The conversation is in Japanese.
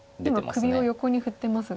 今首を横に振ってますが。